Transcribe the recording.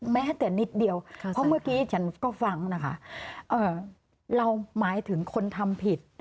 แม้แต่นิดเดียวเพราะเมื่อกี้ฉันก็ฟังนะคะเราหมายถึงคนทำผิด